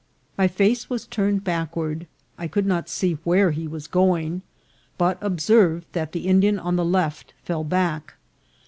My face was turned backward ; I could not see where he was going, but observed that the Indian on the left fell back.